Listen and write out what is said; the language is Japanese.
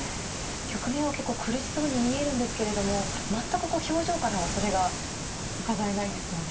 局面は結構苦しそうに見えるんですけれども全く表情からはそれがうかがえないですよね。